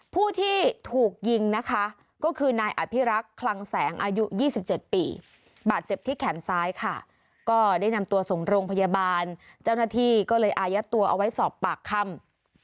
ผู้ที่ถูกยิงนะคะก็คือนายอภิรักษ์คลังแสงอายุ๒๗ปีบาดเจ็บที่แขนซ้ายค่ะก็ได้นำตัวส่งโรงพยาบาลเจ้าหน้าที่ก็เลยอายัดตัวเอาไว้สอบปากคำ